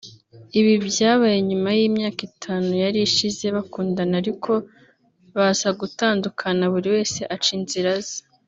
Ibi byabaye nyuma y’imyaka itanu yari ishize bakundana ariko bazagutandukana buri wese aca inzira ze